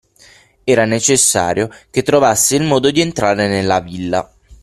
Era necessario che trovasse il modo di entrare nella villa.